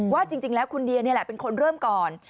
ว่าจริงแล้วคุณเดียนี่แหละเป็นคนเริ่มก่อน